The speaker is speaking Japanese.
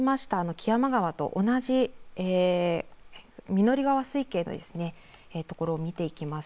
木山川と同じ緑川水系のところを見ていきます。